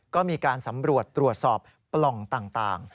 ก็มีการสำรวจตรวจสอบปล่องต่าง